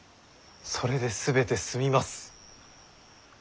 それで全て済みます。